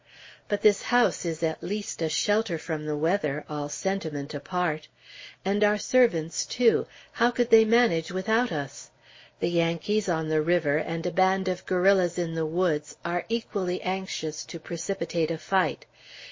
But this house is at least a shelter from the weather, all sentiment apart. And our servants, too; how could they manage without us? The Yankees, on the river, and a band of guerrillas in the woods, are equally anxious to precipitate a fight.